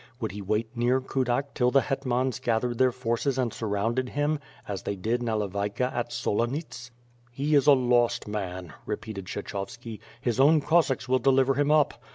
Would he wait near Kudak till the hetmans gathered their forces and surrounded him, as they did Nalevayka at Solonits? ... lle is a lost man/' repeated Kshechovski. "His own Cos sacks will deliver him up.